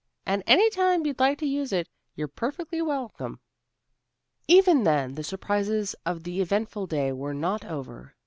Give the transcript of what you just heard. And any time you'd like to use it, you're perfectly welcome." Even then the surprises of the eventful day were not over.